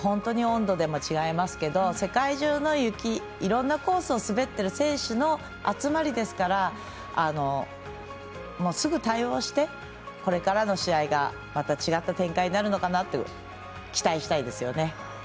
温度でも違いますけど世界中の雪、いろんなコースを滑っている選手の集まりですから、すぐ対応してこれからの試合が、また違った展開になるのかなと期待したいですよね。